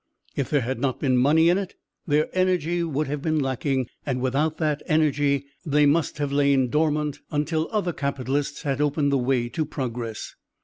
If there had not been money in it their energy would have been lacking, and without that energy they must have lain dormant until other capitalists had opened the way to progress.